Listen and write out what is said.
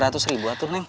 dua ratus ribu atuh neng